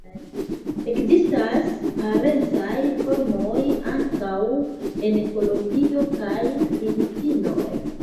Ekzistas parencaj formoj ankaŭ en Kolombio kaj Filipinoj.